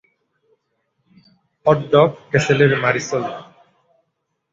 Hot dog ক্যাসেলের মারিসোল?